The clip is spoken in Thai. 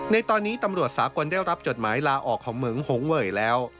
ในตอนนี้ตำรวจสากลได้รับจดหมายลาออกของเหมืองหงเวยแล้ว